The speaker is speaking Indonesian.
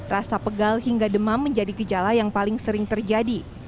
rasa pegal hingga demam menjadi gejala yang paling sering terjadi